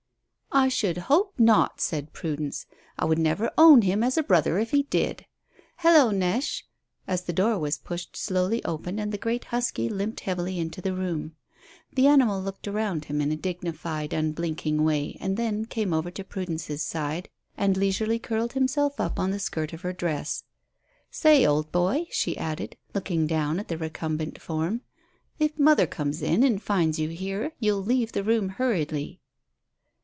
"I should hope not," said Prudence. "I would never own him as a brother if he did. Hello, Neche," as the door was pushed slowly open and the great husky limped heavily into the room. The animal looked round him in a dignified, unblinking way, and then came over to Prudence's side and leisurely curled himself up on the skirt of her dress. "Say, old boy," she added, looking down at the recumbent form, "if mother comes in and finds you here you'll leave the room hurriedly."